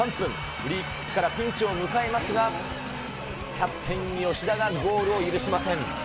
フリーキックからピンチを迎えますが、キャプテン吉田がゴールを許しません。